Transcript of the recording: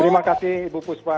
terima kasih ibu puspa